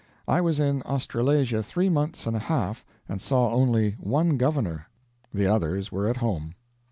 I was in Australasia three months and a half, and saw only one Governor. The others were at home.